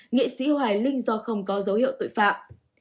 nghệ sĩ hoài linh do không có dấu hiệu tội phạm